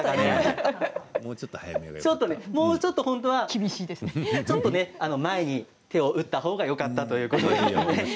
もうちょっと本当は前に手を打ったほうがよかったということですね。